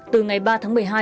từ ngày ba tháng một mươi hai